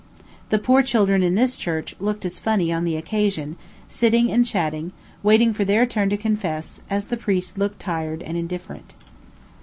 The poor children in this church looked as funny on the occasion, sitting and chatting, waiting for their turn to confess, as the priest looked tired and indifferent.